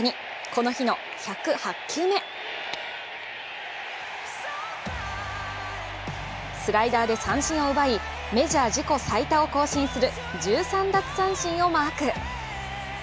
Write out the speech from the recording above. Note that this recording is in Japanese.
この日の１０８球目スライダーで三振を奪い、メジャー自己最多を更新する１３奪三振をマーク。